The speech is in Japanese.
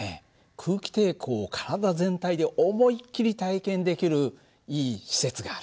空気抵抗を体全体で思いっきり体験できるいい施設があるんだよ。